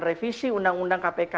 revisi undang undang kpk